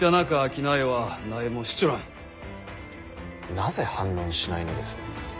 なぜ反論しないのです？